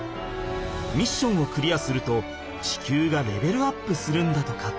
ミッションをクリアすると地球がレベルアップするんだとか。